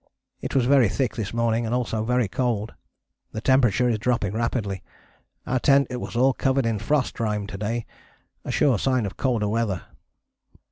It was very thick this morning and also very cold. The temperature is dropping rapidly. Our tent was all covered in frost rime to day, a sure sign of colder weather.